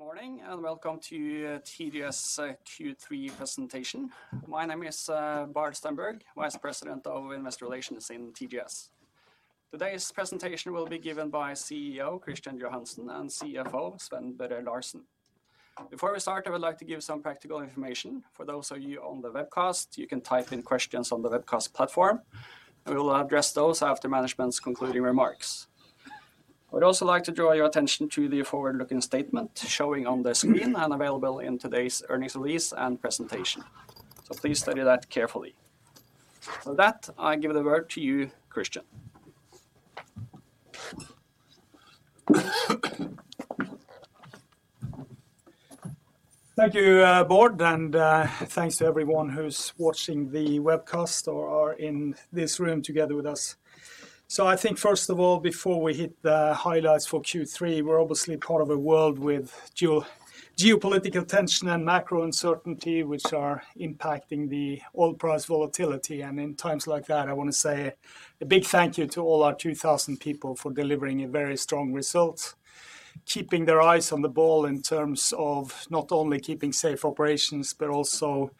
Good morning, and welcome to TGS Q3 presentation. My name is Bård Stenberg, Vice President of Investor Relations in TGS. Today's presentation will be given by CEO Kristian Johansen and CFO Sven Børre Larsen. Before we start, I would like to give some practical information. For those of you on the webcast, you can type in questions on the webcast platform, and we will address those after management's concluding remarks. I would also like to draw your attention to the forward-looking statement showing on the screen and available in today's earnings release and presentation. So please study that carefully. With that, I give the word to you, Kristian. Thank you, Bård, and thanks to everyone who's watching the webcast or are in this room together with us. I think first of all, before we hit the highlights for Q3, we're obviously part of a world with geopolitical tension and macro uncertainty, which are impacting the oil price volatility. In times like that, I wanna say a big thank you to all our 2,000 people for delivering a very strong result, keeping their eyes on the ball in terms of not only keeping safe operations, but also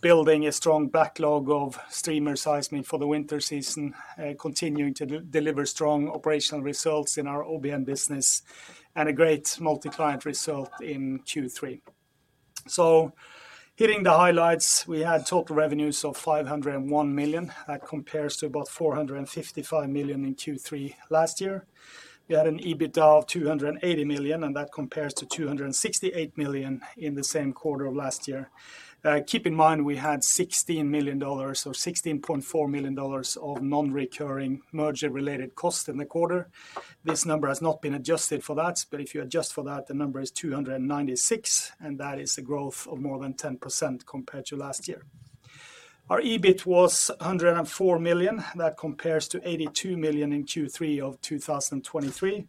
building a strong backlog of streamer seismic for the winter season, continuing to deliver strong operational results in our OBN business, and a great multi-client result in Q3. Hitting the highlights, we had total revenues of 501 million. That compares to about $455 million in Q3 last year. We had an EBITDA of $280 million, and that compares to $268 million in the same quarter of last year. Keep in mind, we had $16 million, or $16.4 million of non-recurring merger-related costs in the quarter. This number has not been adjusted for that, but if you adjust for that, the number is $296 million, and that is a growth of more than 10% compared to last year. Our EBIT was $104 million. That compares to $82 million in Q3 of 2023.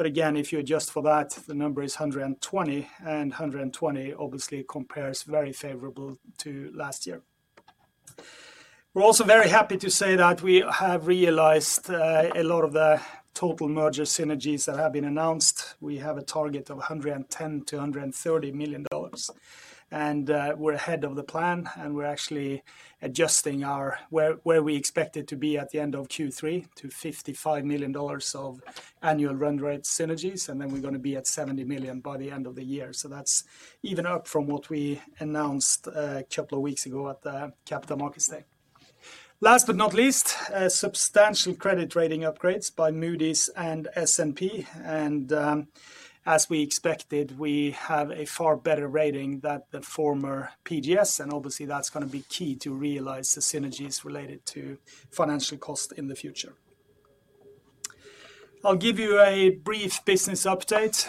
But again, if you adjust for that, the number is $120 million, and $120 million obviously compares very favorable to last year. We're also very happy to say that we have realized a lot of the total merger synergies that have been announced. We have a target of $110-$130 million, and we're ahead of the plan, and we're actually adjusting our where we expect it to be at the end of Q3 to $55 million of annual run rate synergies, and then we're gonna be at $70 million by the end of the year. So that's even up from what we announced a couple of weeks ago at the Capital Markets Day. Last but not least, a substantial credit rating upgrades by Moody's and S&P, and as we expected, we have a far better rating than the former PGS, and obviously, that's gonna be key to realize the synergies related to financial cost in the future. I'll give you a brief business update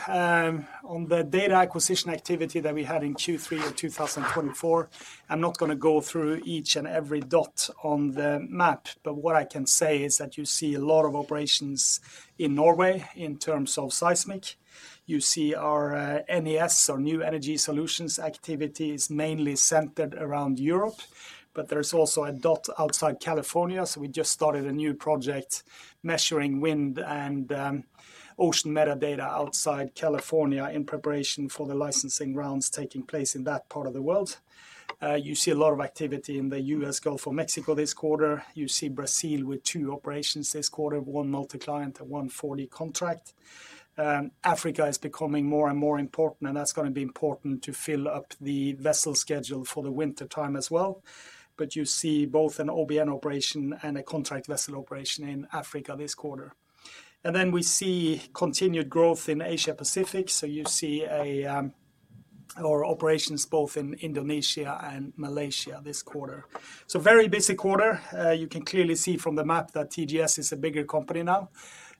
on the data acquisition activity that we had in Q3 of two thousand and twenty-four. I'm not gonna go through each and every dot on the map, but what I can say is that you see a lot of operations in Norway in terms of seismic. You see our NES, or New Energy Solutions activities, mainly centered around Europe, but there is also a dot outside California, so we just started a new project measuring wind and ocean metadata outside California in preparation for the licensing rounds taking place in that part of the world. You see a lot of activity in the US Gulf of Mexico this quarter. You see Brazil with two operations this quarter, one multi-client and one 4D contract. Africa is becoming more and more important, and that's gonna be important to fill up the vessel schedule for the wintertime as well. But you see both an OBN operation and a contract vessel operation in Africa this quarter. And then we see continued growth in Asia Pacific, so you see a, our operations both in Indonesia and Malaysia this quarter. So very busy quarter. You can clearly see from the map that TGS is a bigger company now,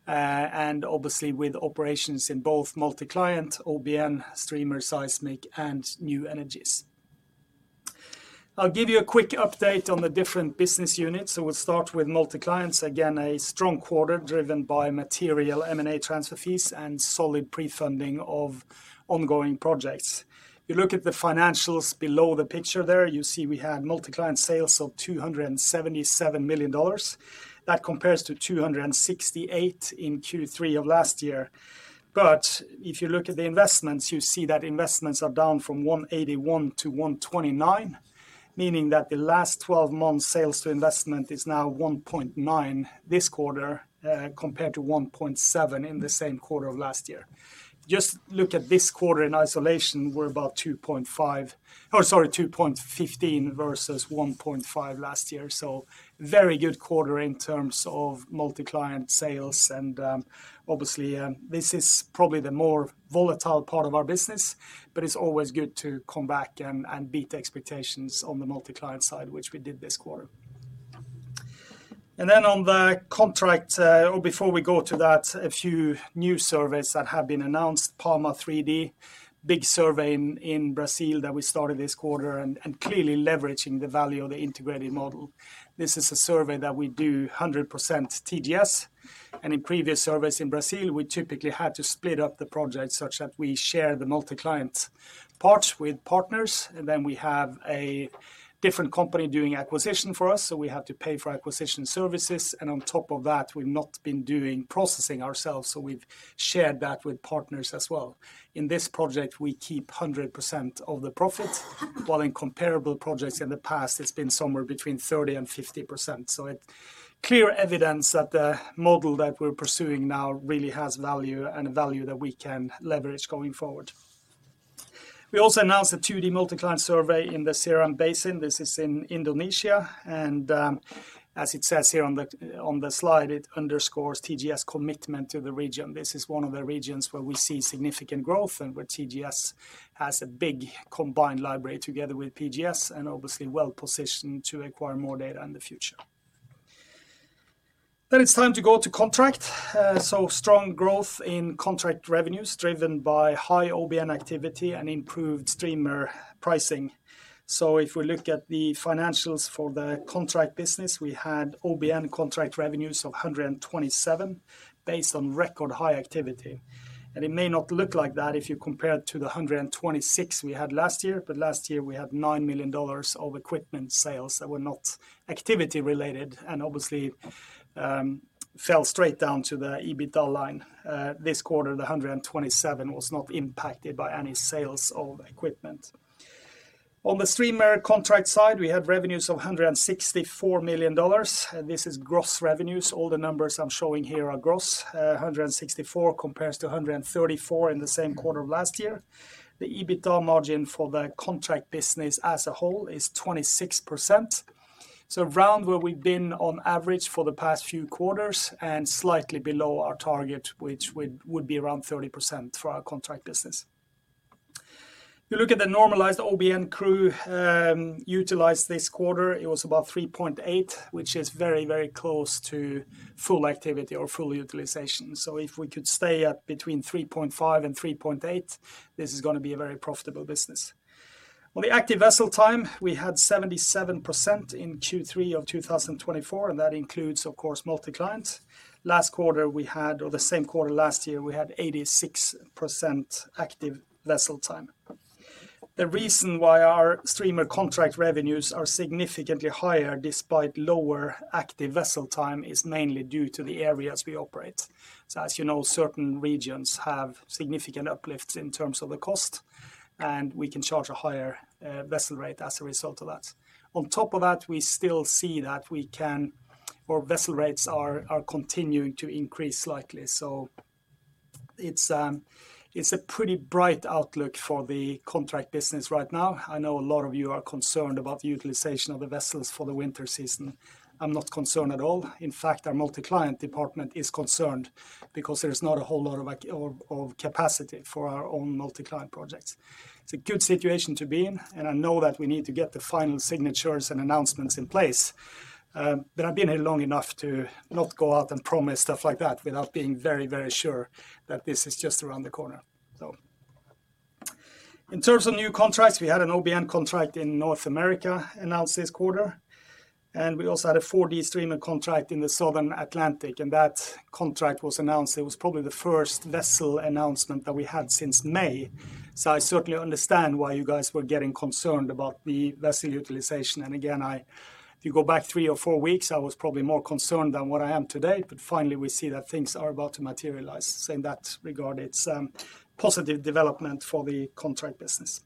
and obviously, with operations in both multi-client, OBN, streamer seismic, and new energies. I'll give you a quick update on the different business units, so we'll start with multi-client. Again, a strong quarter driven by material M&A transfer fees and solid pre-funding of ongoing projects. If you look at the financials below the picture there, you see we had multi-client sales of $277 million. That compares to $268 million in Q3 of last year. But if you look at the investments, you see that investments are down from $181 million to $129 million, meaning that the last twelve months sales to investment is now 1.9 this quarter, compared to 1.7 in the same quarter of last year. Just look at this quarter in isolation, we're about 2.5- or sorry, 2.15 versus 1.5 last year. So very good quarter in terms of multi-client sales and, obviously, this is probably the more volatile part of our business, but it's always good to come back and beat expectations on the multi-client side, which we did this quarter. And then on the contract, or before we go to that, a few new surveys that have been announced, Pama 3D, big survey in Brazil that we started this quarter and clearly leveraging the value of the integrated model. This is a survey that we do 100% TGS, and in previous surveys in Brazil, we typically had to split up the project such that we share the multi-client part with partners, and then we have a different company doing acquisition for us, so we have to pay for acquisition services, and on top of that, we've not been doing processing ourselves, so we've shared that with partners as well. In this project, we keep 100% of the profit, while in comparable projects in the past, it's been somewhere between 30% and 50%. It's clear evidence that the model that we're pursuing now really has value and value that we can leverage going forward. We also announced a 2D multi-client survey in the Seram Basin. This is in Indonesia, and as it says here on the slide, it underscores TGS' commitment to the region. This is one of the regions where we see significant growth and where TGS has a big combined library together with PGS, and obviously well-positioned to acquire more data in the future. Then it's time to go to contract. So strong growth in contract revenues, driven by high OBN activity and improved streamer pricing. So if we look at the financials for the contract business, we had OBN contract revenues of 127 based on record high activity. It may not look like that if you compare it to the $126 we had last year, but last year we had $9 million of equipment sales that were not activity related, and obviously fell straight down to the EBITDA line. This quarter, the $127 was not impacted by any sales of equipment. On the streamer contract side, we had revenues of $164 million, and this is gross revenues. All the numbers I'm showing here are gross. $164 compares to $134 in the same quarter of last year. The EBITDA margin for the contract business as a whole is 26%, so around where we've been on average for the past few quarters and slightly below our target, which would be around 30% for our contract business. If you look at the normalized OBN crew utilized this quarter, it was about 3.8, which is very, very close to full activity or full utilization. So if we could stay at between 3.5 and 3.8, this is gonna be a very profitable business. On the active vessel time, we had 77% in Q3 of 2024, and that includes, of course, multi-client. Last quarter, we had... or the same quarter last year, we had 86% active vessel time. The reason why our streamer contract revenues are significantly higher, despite lower active vessel time, is mainly due to the areas we operate. So as you know, certain regions have significant uplifts in terms of the cost, and we can charge a higher vessel rate as a result of that. On top of that, we still see that we can, or vessel rates are continuing to increase slightly, so it's a pretty bright outlook for the contract business right now. I know a lot of you are concerned about the utilization of the vessels for the winter season. I'm not concerned at all. In fact, our multi-client department is concerned because there is not a whole lot of like, of capacity for our own multi-client projects. It's a good situation to be in, and I know that we need to get the final signatures and announcements in place, but I've been here long enough to not go out and promise stuff like that without being very, very sure that this is just around the corner, so. In terms of new contracts, we had an OBN contract in North America announced this quarter, and we also had a 4D streamer contract in the Southern Atlantic, and that contract was announced. It was probably the first vessel announcement that we had since May, so I certainly understand why you guys were getting concerned about the vessel utilization, and again, if you go back three or four weeks, I was probably more concerned than what I am today, but finally, we see that things are about to materialize, so in that regard, it's positive development for the contract business.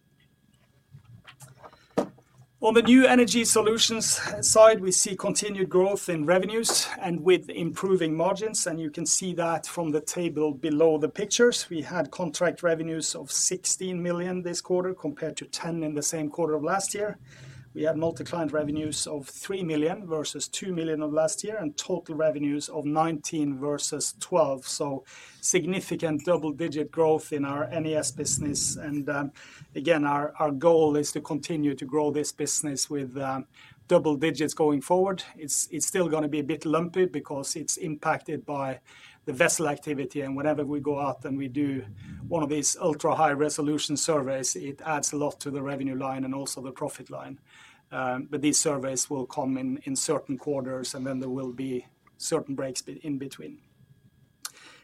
On the new energy solutions side, we see continued growth in revenues and with improving margins, and you can see that from the table below the pictures. We had contract revenues of $16 million this quarter, compared to $10 million in the same quarter of last year. We had multi-client revenues of $3 million versus $2 million last year, and total revenues of $19 million versus $12 million, so significant double-digit growth in our NES business, and again, our goal is to continue to grow this business with double digits going forward. It's still gonna be a bit lumpy because it's impacted by the vessel activity, and whenever we go out and we do one of these ultra-high-resolution surveys, it adds a lot to the revenue line and also the profit line, but these surveys will come in certain quarters, and then there will be certain breaks in between.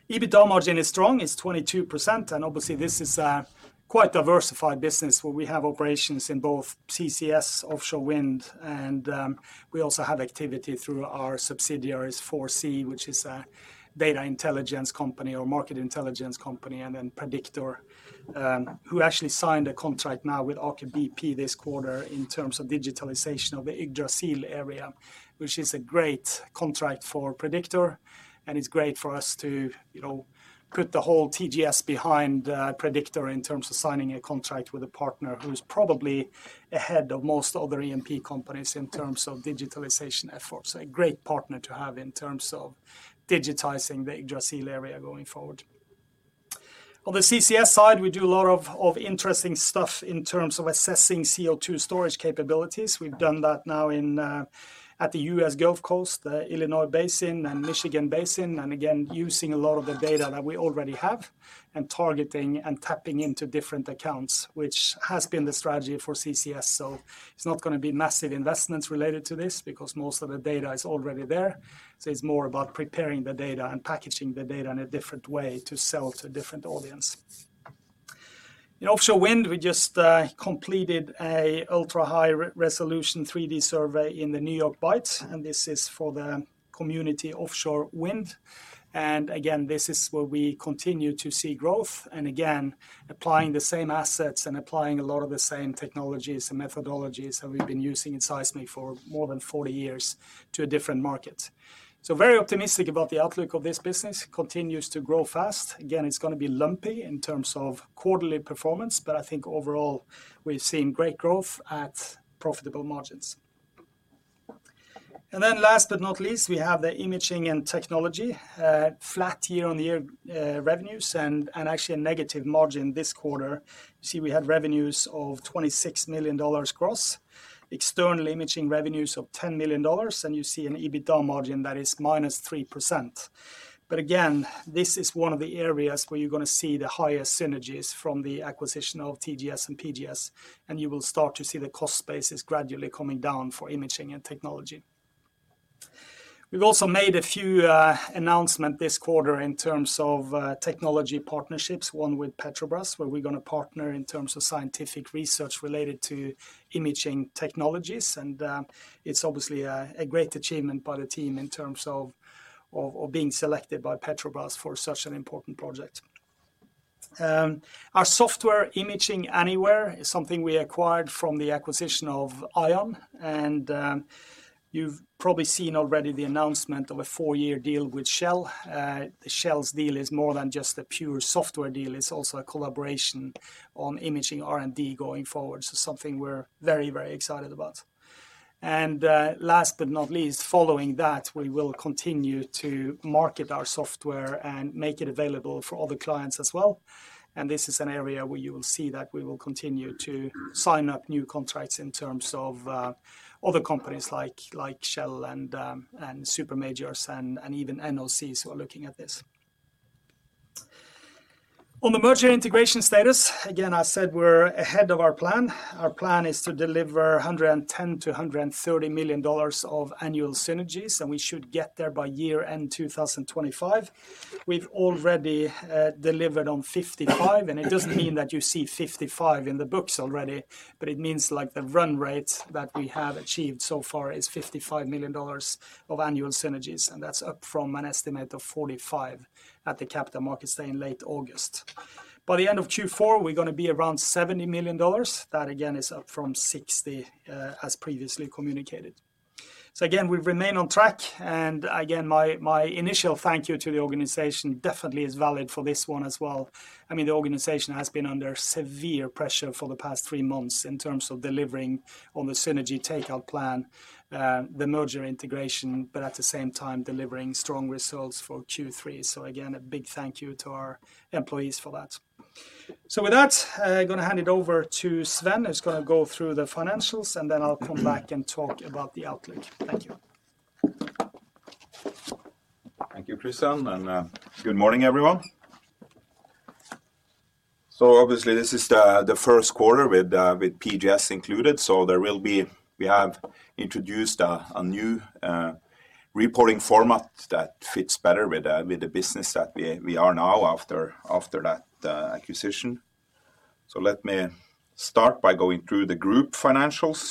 EBITDA margin is strong. It's 22%, and obviously, this is a quite diversified business where we have operations in both CCS, offshore wind, and we also have activity through our subsidiaries, 4C, which is a data intelligence company or market intelligence company, and then Prediktor, who actually signed a contract now with Aker BP this quarter in terms of digitalization of the Yggdrasil area, which is a great contract for Prediktor. And it's great for us to, you know, put the whole TGS behind, Prediktor in terms of signing a contract with a partner who's probably ahead of most other E&P companies in terms of digitalization efforts. A great partner to have in terms of digitizing the Yggdrasil area going forward. On the CCS side, we do a lot of interesting stuff in terms of assessing CO2 storage capabilities. We've done that now in at the U.S. Gulf Coast, the Illinois Basin and Michigan Basin, and again, using a lot of the data that we already have, and targeting and tapping into different accounts, which has been the strategy for CCS. So it's not gonna be massive investments related to this because most of the data is already there, so it's more about preparing the data and packaging the data in a different way to sell to different audience. In offshore wind, we just completed a ultra-high resolution 3D survey in the New York Bight, and this is for the Community Offshore Wind. This is where we continue to see growth, and again, applying the same assets and applying a lot of the same technologies and methodologies that we've been using in seismic for more than forty years to a different market. So very optimistic about the outlook of this business. Continues to grow fast. Again, it's gonna be lumpy in terms of quarterly performance, but I think overall, we've seen great growth at profitable margins.... And then last but not least, we have the imaging and technology, flat year-on-year, revenues, and actually a negative margin this quarter. You see, we had revenues of $26 million gross, external imaging revenues of $10 million, and you see an EBITDA margin that is -3%. But again, this is one of the areas where you're gonna see the highest synergies from the acquisition of TGS and PGS, and you will start to see the cost basis gradually coming down for imaging and technology. We've also made a few announcement this quarter in terms of technology partnerships, one with Petrobras, where we're gonna partner in terms of scientific research related to imaging technologies. And it's obviously a great achievement by the team in terms of being selected by Petrobras for such an important project. Our software, Imaging Anywhere, is something we acquired from the acquisition of ION. And you've probably seen already the announcement of a four-year deal with Shell. Shell's deal is more than just a pure software deal, it's also a collaboration on imaging R&D going forward, so something we're very, very excited about. And last but not least, following that, we will continue to market our software and make it available for other clients as well. This is an area where you will see that we will continue to sign up new contracts in terms of other companies like Shell and super majors and even NOCs who are looking at this. On the merger integration status, again, I said we're ahead of our plan. Our plan is to deliver $110-$130 million of annual synergies, and we should get there by year-end 2025. We've already delivered on 55, and it doesn't mean that you see 55 in the books already, but it means, like, the run rate that we have achieved so far is $55 million of annual synergies, and that's up from an estimate of 45 at the Capital Markets Day in late August. By the end of Q4, we're gonna be around $70 million. That, again, is up from 60, as previously communicated. So again, we remain on track, and again, my, my initial thank you to the organization definitely is valid for this one as well. I mean, the organization has been under severe pressure for the past three months in terms of delivering on the synergy take-out plan, the merger integration, but at the same time, delivering strong results for Q3. So again, a big thank you to our employees for that. So with that, I'm gonna hand it over to Sven, who's gonna go through the financials, and then I'll come back and talk about the outlook. Thank you. Thank you, Kristian, and good morning, everyone. Obviously, this is the first quarter with PGS included, so we have introduced a new reporting format that fits better with the business that we are now after that acquisition. Let me start by going through the group financials.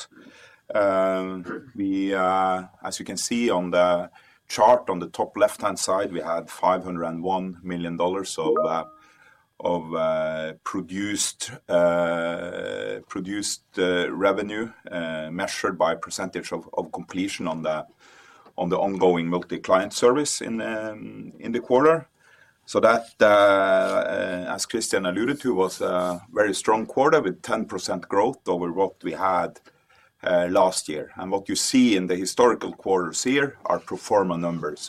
As you can see on the chart on the top left-hand side, we had $501 million of POC revenue measured by percentage of completion on the ongoing multi-client service in the quarter. That, as Kristian alluded to, was a very strong quarter with 10% growth over what we had last year. What you see in the historical quarters here are pro forma numbers,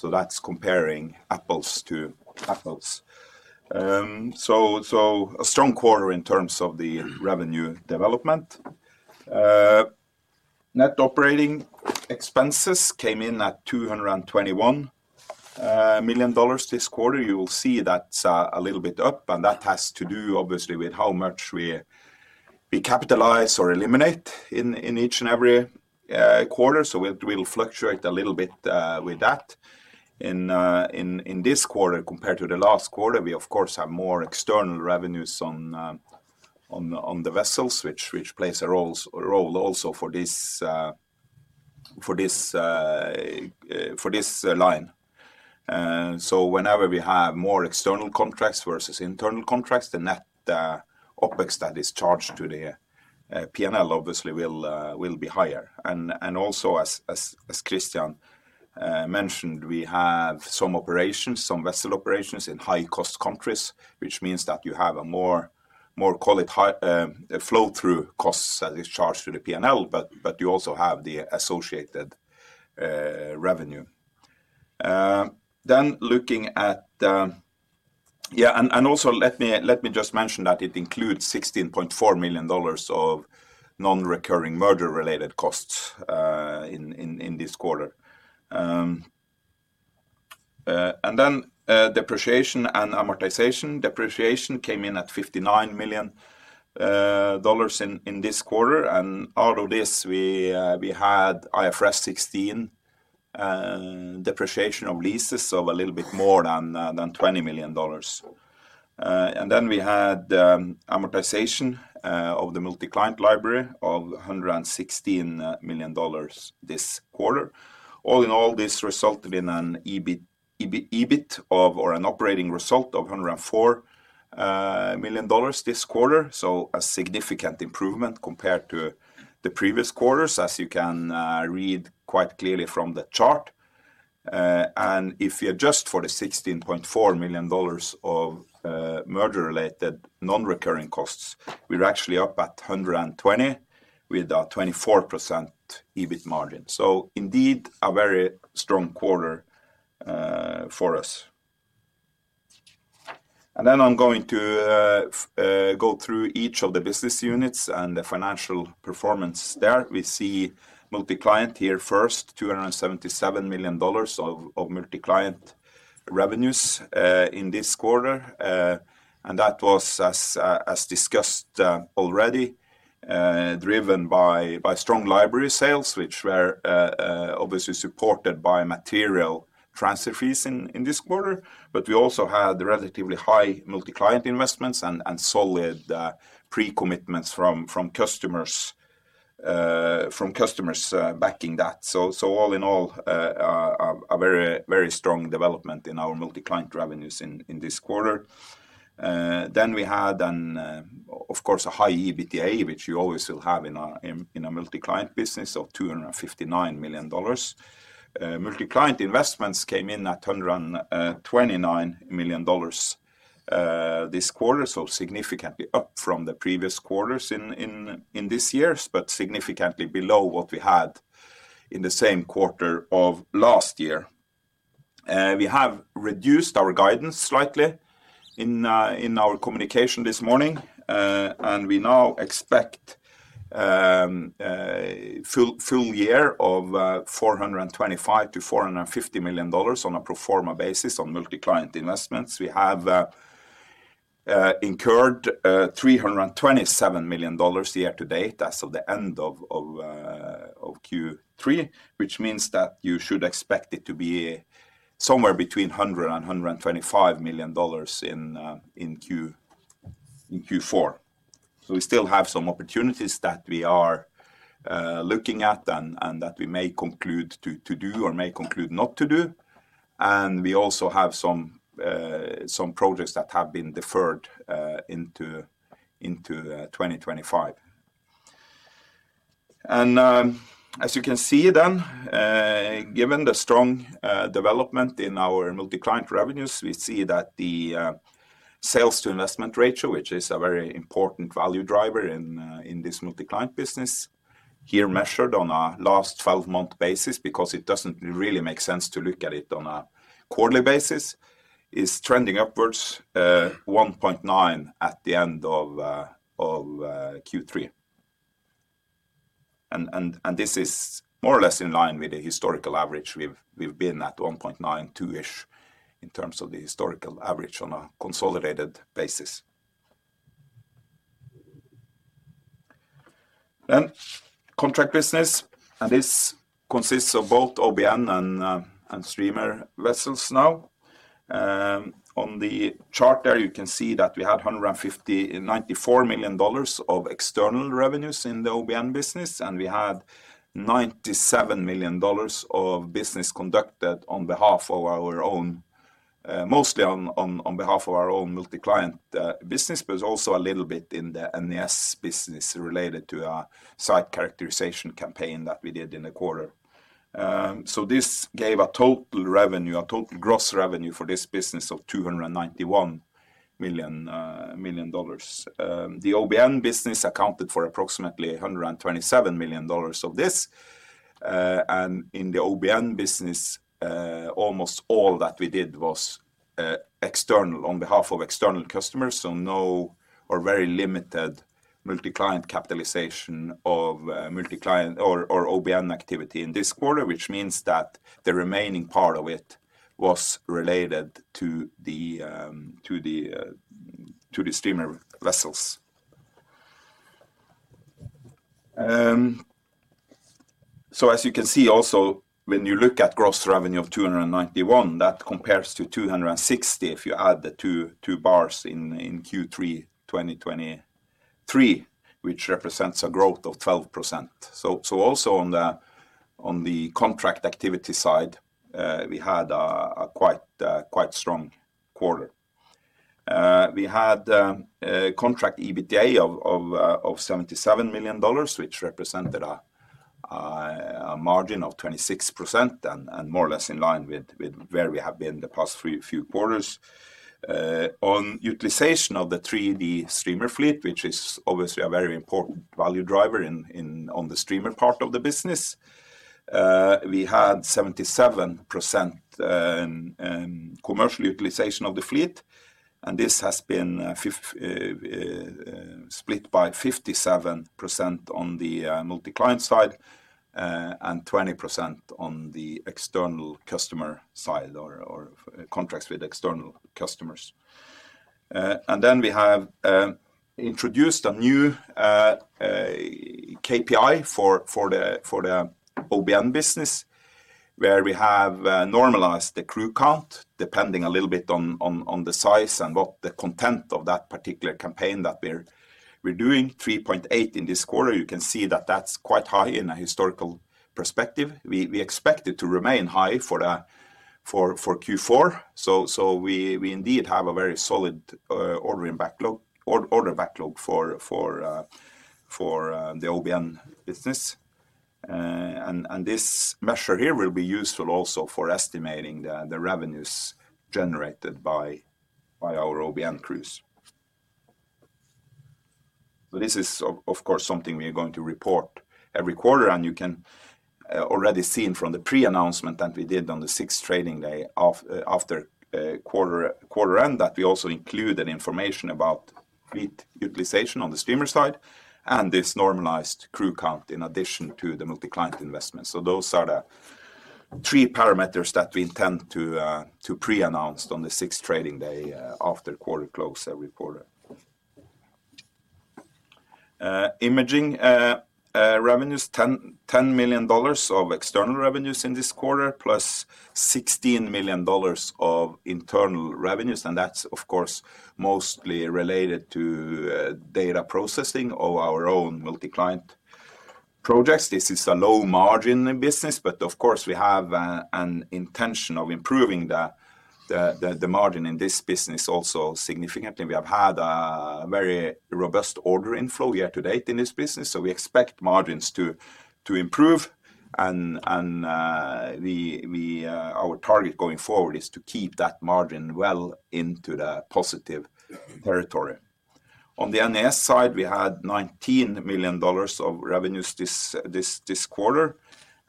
so that's comparing apples to apples. So a strong quarter in terms of the revenue development. Net operating expenses came in at $221 million this quarter. You will see that's a little bit up, and that has to do, obviously, with how much we capitalize or eliminate in each and every quarter. So we'll fluctuate a little bit with that. In this quarter compared to the last quarter, we of course have more external revenues on the vessels, which plays a role also for this line. So whenever we have more external contracts versus internal contracts, the net OpEx that is charged to the P&L obviously will be higher. And also, as Kristian mentioned, we have some operations, some vessel operations in high-cost countries, which means that you have a more quality flow-through costs that is charged to the P&L, but you also have the associated revenue. And also let me just mention that it includes $16.4 million of non-recurring merger-related costs in this quarter. And then depreciation and amortization. Depreciation came in at $59 million in this quarter, and out of this, we had IFRS 16 depreciation of leases of a little bit more than $20 million. And then we had amortization of the multi-client library of $116 million this quarter. All in all, this resulted in an EBIT or an operating result of $104 million this quarter, so a significant improvement compared to the previous quarters, as you can read quite clearly from the chart. And if you adjust for the $16.4 million of merger-related non-recurring costs, we're actually up at $120 million, with a 24% EBIT margin. So indeed, a very strong quarter for us. And then I'm going to go through each of the business units and the financial performance there. We see multi-client here first, $277 million of multi-client revenues in this quarter. And that was as discussed already driven by strong library sales, which were obviously supported by material transfer fees in this quarter. But we also had relatively high multi-client investments and solid pre-commitments from customers backing that. So all in all a very very strong development in our multi-client revenues in this quarter. Then we had, of course, a high EBITDA, which you always will have in a multi-client business of $259 million. Multi-client investments came in at $129 million this quarter, so significantly up from the previous quarters this year, but significantly below what we had in the same quarter of last year. We have reduced our guidance slightly in our communication this morning, and we now expect a full year of $425-$450 million on a pro forma basis on multi-client investments. We have incurred $327 million year to date, as of the end of Q3, which means that you should expect it to be somewhere between $100 and $125 million in Q4. So we still have some opportunities that we are looking at and that we may conclude to do or may conclude not to do. And we also have some projects that have been deferred into 2025. And as you can see then given the strong development in our multi-client revenues, we see that the sales to investment ratio, which is a very important value driver in this multi-client business, here measured on a last twelve-month basis, because it doesn't really make sense to look at it on a quarterly basis, is trending upwards 1.9 at the end of Q3. And this is more or less in line with the historical average. We've been at 1.92-ish, in terms of the historical average on a consolidated basis. Then contract business, and this consists of both OBN and streamer vessels now. On the chart there, you can see that we had $94 million of external revenues in the OBN business, and we had $97 million of business conducted on behalf of our own, mostly on behalf of our own multi-client business, but also a little bit in the NES business related to a site characterization campaign that we did in the quarter. So this gave a total revenue, a total gross revenue for this business of $291 million. The OBN business accounted for approximately $127 million of this. And in the OBN business, almost all that we did was external, on behalf of external customers. So no or very limited multi-client capitalization of multi-client or OBN activity in this quarter, which means that the remaining part of it was related to the streamer vessels. So as you can see also, when you look at gross revenue of $291, that compares to $260, if you add the two bars in Q3 2023, which represents a growth of 12%. So also on the contract activity side, we had a quite strong quarter. We had a contract EBITDA of $77 million, which represented a margin of 26% and more or less in line with where we have been the past few quarters. On utilization of the 3D streamer fleet, which is obviously a very important value driver in the streamer part of the business, we had 77% commercial utilization of the fleet, and this has been split by 57% on the multi-client side and 20% on the external customer side or contracts with external customers. And then we have introduced a new KPI for the OBN business, where we have normalized the crew count, depending a little bit on the size and what the content of that particular campaign that we're doing. 3.8 in this quarter, you can see that that's quite high in a historical perspective. We expect it to remain high for Q4. So we indeed have a very solid order backlog for the OBN business. And this measure here will be useful also for estimating the revenues generated by our OBN crews. This is of course something we are going to report every quarter, and you can already see from the pre-announcement that we did on the sixth trading day after quarter end that we also included information about fleet utilization on the streamer side and this normalized crew count in addition to the multi-client investment. Those are the three parameters that we intend to pre-announce on the sixth trading day after quarter close every quarter. Imaging revenues, $10 million of external revenues in this quarter, plus $16 million of internal revenues, and that's of course mostly related to data processing of our own multi-client projects. This is a low-margin business, but of course we have an intention of improving the margin in this business also significantly. We have had a very robust order inflow year-to-date in this business, so we expect margins to improve and we. Our target going forward is to keep that margin well into the positive territory. On the NES side, we had $19 million of revenues this quarter,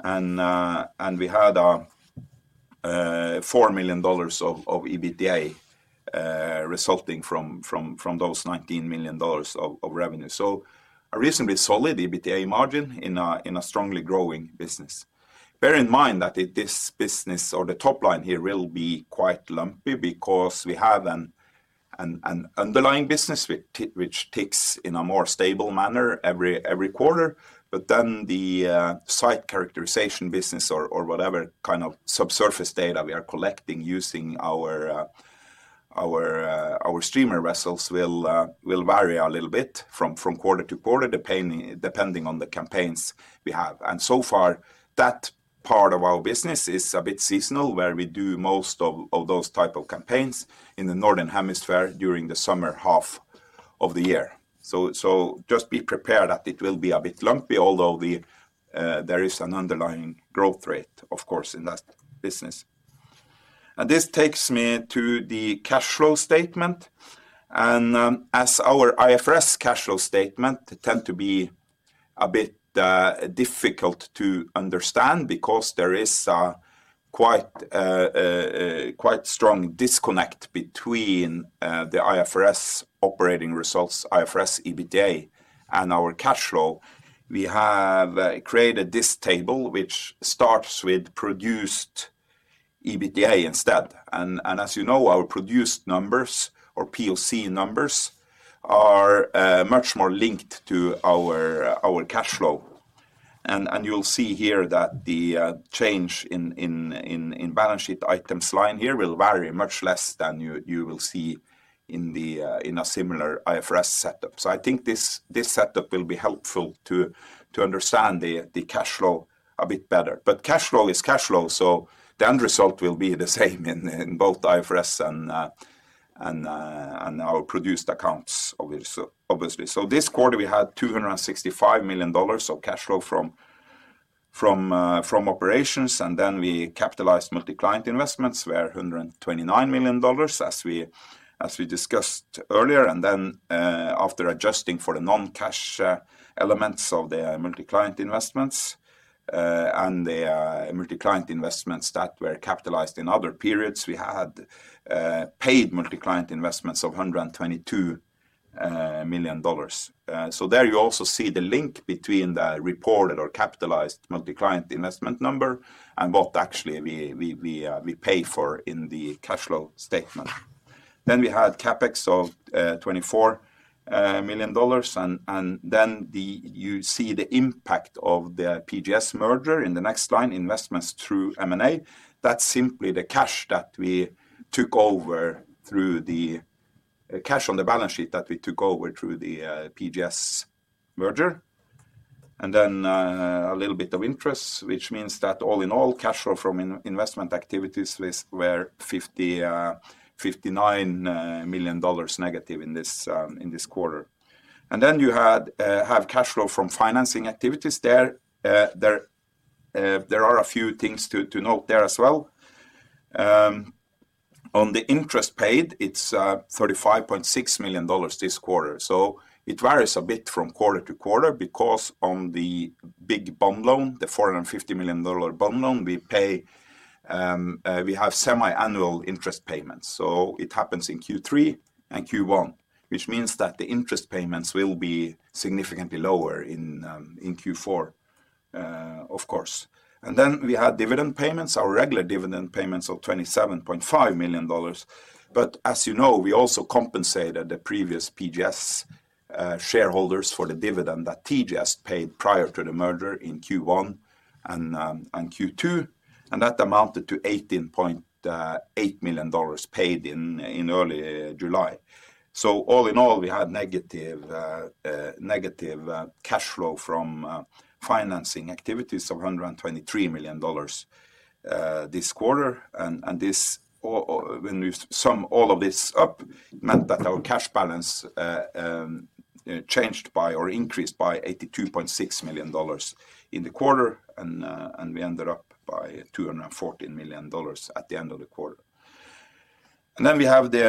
and we had $4 million of EBITDA resulting from those $19 million of revenue. So a reasonably solid EBITDA margin in a strongly growing business. Bear in mind that this business or the top line here will be quite lumpy because we have an underlying business which ticks in a more stable manner every quarter. But then the site characterization business or whatever kind of subsurface data we are collecting using our streamer vessels will vary a little bit from quarter to quarter, depending on the campaigns we have. And so far, that part of our business is a bit seasonal, where we do most of those type of campaigns in the Northern Hemisphere during the summer half of the year. So just be prepared that it will be a bit lumpy, although there is an underlying growth rate, of course, in that business. And this takes me to the cash flow statement. As our IFRS cash flow statement tends to be a bit difficult to understand because there is a quite strong disconnect between the IFRS operating results, IFRS EBITDA, and our cash flow. We have created this table, which starts with produced EBITDA instead. And as you know, our produced numbers or POC numbers are much more linked to our cash flow. And you'll see here that the change in balance sheet items line here will vary much less than you will see in a similar IFRS setup. So I think this setup will be helpful to understand the cash flow a bit better. Cash flow is cash flow, so the end result will be the same in both IFRS and our pro forma accounts obviously. This quarter, we had $265 million of cash flow from operations, and then we capitalized multi-client investments, where $129 million, as we discussed earlier. After adjusting for the non-cash elements of the multi-client investments and the multi-client investments that were capitalized in other periods, we had paid multi-client investments of $122 million. There you also see the link between the reported or capitalized multi-client investment number and what actually we pay for in the cash flow statement. Then we had CapEx of $24 million, and then you see the impact of the PGS merger in the next line, investments through M&A. That's simply the cash that we took over through the cash on the balance sheet that we took over through the PGS merger. And then a little bit of interest, which means that all in all, cash flow from investment activities was $59 million negative in this quarter. And then you have cash flow from financing activities there. There are a few things to note there as well. On the interest paid, it's $35.6 million this quarter. It varies a bit from quarter-to-quarter because on the big bond loan, the $450 million bond loan, we pay. We have semi-annual interest payments. So it happens in Q3 and Q1, which means that the interest payments will be significantly lower in Q4, of course. And then we had dividend payments, our regular dividend payments of $27.5 million. But as you know, we also compensated the previous PGS shareholders for the dividend that PGS paid prior to the merger in Q1 and Q2, and that amounted to $18.8 million paid in early July. So all in all, we had negative cash flow from financing activities of $123 million this quarter. And when we sum all of this up meant that our cash balance changed by or increased by $82.6 million in the quarter, and we ended up with $214 million at the end of the quarter. And then we have the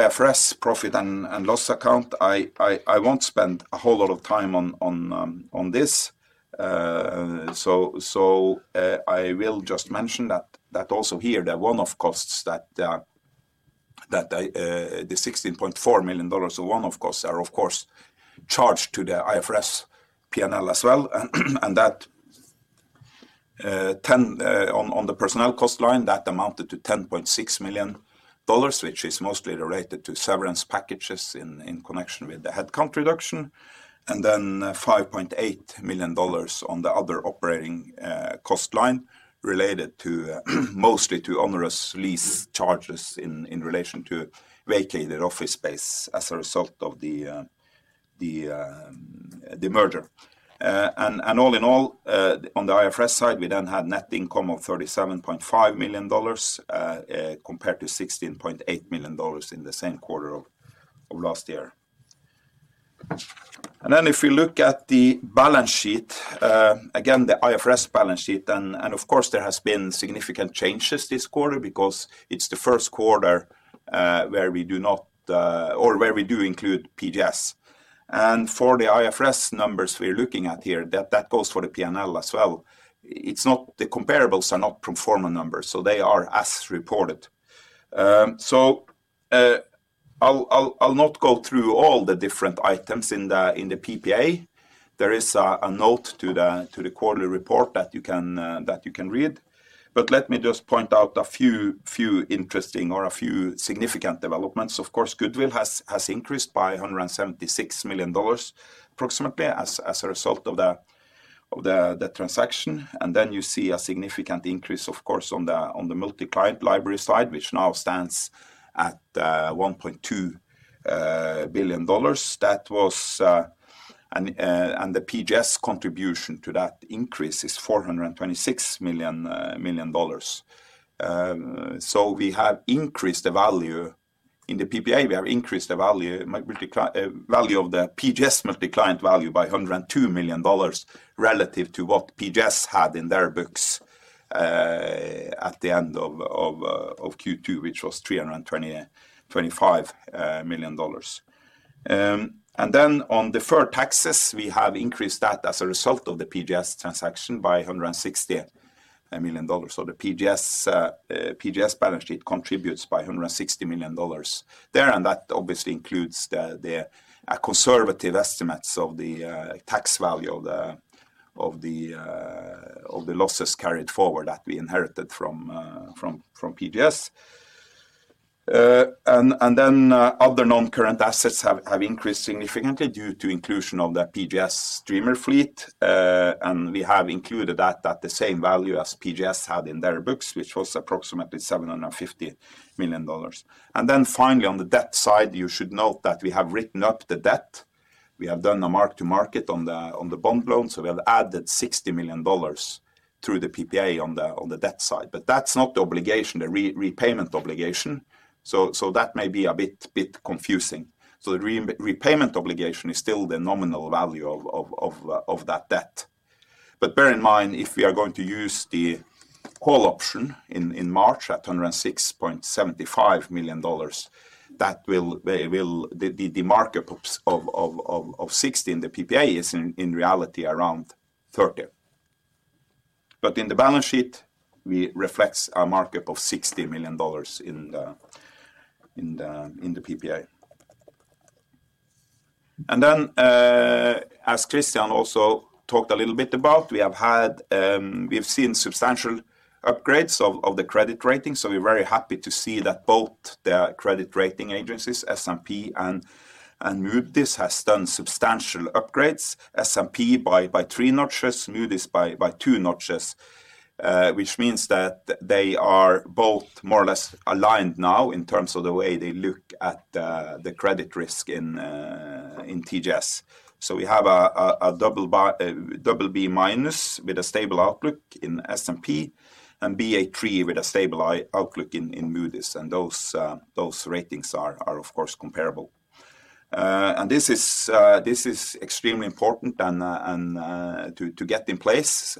IFRS profit and loss account. I won't spend a whole lot of time on this. So I will just mention that also here, the one-off costs, the $16.4 million of one-off costs are, of course, charged to the IFRS P&L as well. That on the personnel cost line that amounted to $10.6 million, which is mostly related to severance packages in connection with the headcount reduction, and then $5.8 million on the other operating cost line, related mostly to onerous lease charges in relation to vacated office space as a result of the merger. All in all, on the IFRS side, we then had net income of $37.5 million compared to $16.8 million in the same quarter of last year. And then if you look at the balance sheet, again, the IFRS balance sheet, and of course, there has been significant changes this quarter because it's the Q1, where we do not, or where we do include PGS. And for the IFRS numbers we're looking at here, that goes for the P&L as well. It's not, the comparables are not pro forma numbers, so they are as reported. I'll not go through all the different items in the PPA. There is a note to the quarterly report that you can read. But let me just point out a few interesting or a few significant developments. Of course, goodwill has increased by $176 million, approximately, as a result of the transaction. Then you see a significant increase, of course, on the multi-client library side, which now stands at $1.2 billion. The PGS contribution to that increase is $426 million. So we have increased the value in the PPA. We have increased the multi-client value of the PGS multi-client value by $102 million, relative to what PGS had in their books at the end of Q2, which was $325 million. Then on deferred taxes, we have increased that as a result of the PGS transaction by $160 million. The PGS balance sheet contributes $160 million there, and that obviously includes a conservative estimates of the tax value of the losses carried forward that we inherited from PGS. Then other non-current assets have increased significantly due to inclusion of the PGS streamer fleet. We have included that at the same value as PGS had in their books, which was approximately $750 million. Finally, on the debt side, you should note that we have written up the debt. We have done a mark to market on the bond loan, so we have added $60 million through the PPA on the debt side. But that's not the obligation, the repayment obligation, so that may be a bit confusing. So the repayment obligation is still the nominal value of that debt. But bear in mind, if we are going to use the call option in March at $106.75 million, that will. The market of $60 million in the PPA is in reality around $30 million. But in the balance sheet, we reflects a market of $60 million in the PPA. And then, as Kristian also talked a little bit about, we have seen substantial upgrades of the credit rating, so we're very happy to see that both the credit rating agencies, S&P and Moody's, has done substantial upgrades. S&P by three notches, Moody's by two notches, which means that they are both more or less aligned now in terms of the way they look at the credit risk in PGS. So we have a double B minus with a stable outlook in S&P, and Ba3 with a stable outlook in Moody's. Those ratings are, of course, comparable. This is extremely important and to get in place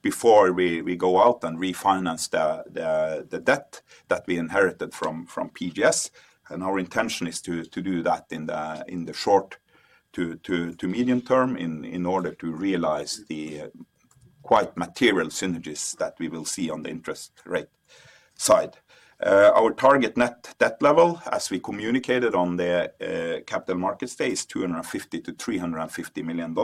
before we go out and refinance the debt that we inherited from PGS. Our intention is to do that in the short to medium term, in order to realize the quite material synergies that we will see on the interest rate side. Our target net debt level, as we communicated on the capital markets day, is $250-$350 million,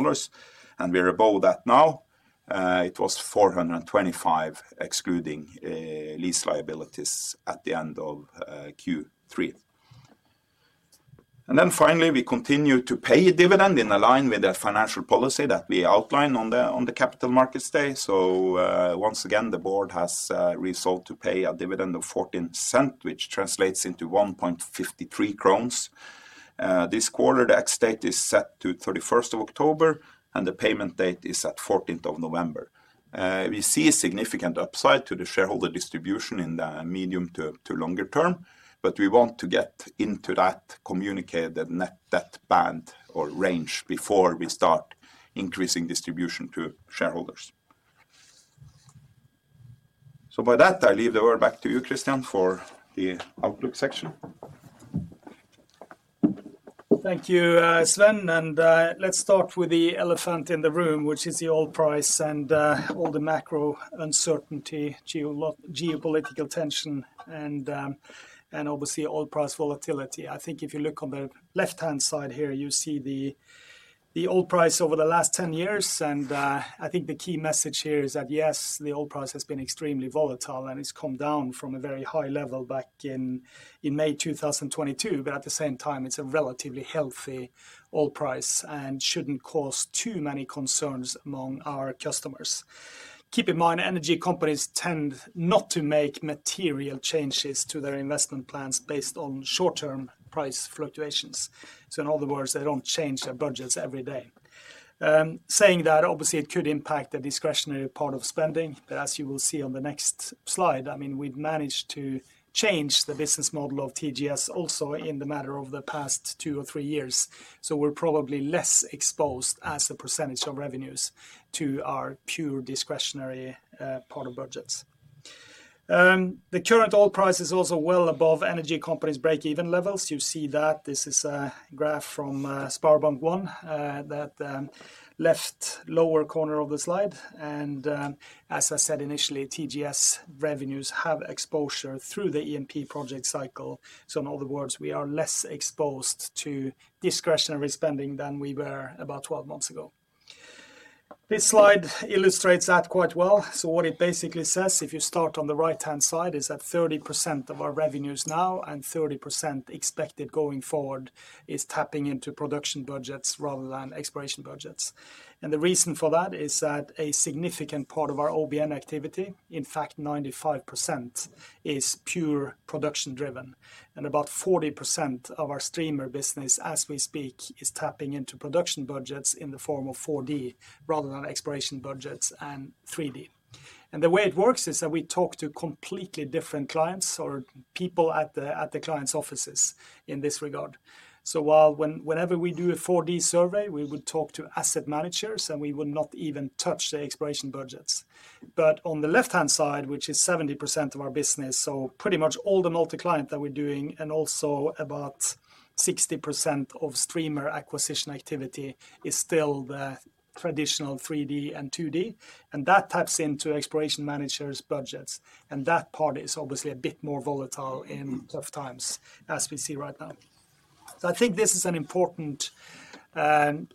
and we are above that now. It was $425 million, excluding lease liabilities at the end of Q3. Then finally, we continue to pay a dividend in line with the financial policy that we outlined on the capital markets day. So, once again, the board has resolved to pay a dividend of $0.14, which translates into 1.53. This quarter, the ex-date is set to thirty-first of October, and the payment date is at fourteenth of November. We see a significant upside to the shareholder distribution in the medium to longer term, but we want to get into that, communicate that band or range before we start increasing distribution to shareholders. With that, I leave the word back to you, Kristian, for the outlook section. Thank you, Sven. And let's start with the elephant in the room, which is the oil price and all the macro uncertainty, geopolitical tension, and obviously, oil price volatility. I think if you look on the left-hand side here, you see the oil price over the last 10 years, and I think the key message here is that, yes, the oil price has been extremely volatile, and it's come down from a very high level back in May 2022. But at the same time, it's a relatively healthy oil price and shouldn't cause too many concerns among our customers. Keep in mind, energy companies tend not to make material changes to their investment plans based on short-term price fluctuations. So in other words, they don't change their budgets every day. Saying that, obviously, it could impact the discretionary part of spending, but as you will see on the next slide, I mean, we've managed to change the business model of TGS also in the matter of the past two or three years. So we're probably less exposed as a percentage of revenues to our pure discretionary part of budgets. The current oil price is also well above energy companies' break-even levels. You see that this is a graph from SpareBank 1 that left lower corner of the slide. As I said initially, TGS revenues have exposure through the E&P project cycle. So in other words, we are less exposed to discretionary spending than we were about twelve months ago. This slide illustrates that quite well. What it basically says, if you start on the right-hand side, is that 30% of our revenues now and 30% expected going forward, is tapping into production budgets rather than exploration budgets. The reason for that is that a significant part of our OBN activity, in fact, 95%, is pure production-driven, and about 40% of our streamer business, as we speak, is tapping into production budgets in the form of 4D, rather than exploration budgets and 3D. The way it works is that we talk to completely different clients or people at the client's offices in this regard. While whenever we do a 4D survey, we would talk to asset managers, and we would not even touch the exploration budgets. But on the left-hand side, which is 70% of our business, so pretty much all the multi-client that we're doing, and also about 60% of streamer acquisition activity is still the traditional 3D and 2D, and that taps into exploration managers' budgets, and that part is obviously a bit more volatile in tough times, as we see right now. So I think this is an important